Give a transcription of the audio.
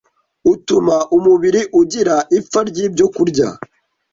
Utuma umubiri ugira ipfa ry’ibyokurya